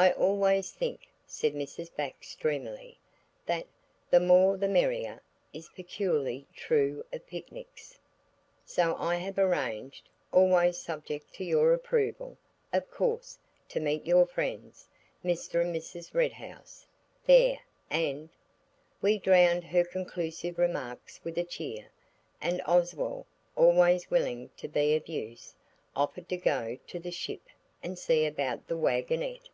"I always think," said Mrs. Bax dreamily, "that 'the more the merrier' is peculiarly true of picnics. So I have arranged–always subject to your approval, of course–to meet your friends, Mr. and Mrs. Red House, there, and–, We drowned her conclusive remarks with a cheer. And Oswald, always willing to be of use, offered to go to the 'Ship' and see about the waggonette.